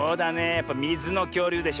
やっぱみずのきょうりゅうでしょ。